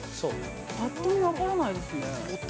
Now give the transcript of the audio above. ぱっと見、分からないですね。